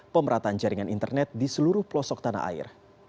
pemerataan jaringan internet di seluruh pelosok tanah air